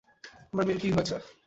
আমার মেয়ের কী হয়েছে?